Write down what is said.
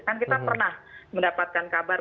kan kita pernah mendapatkan kabar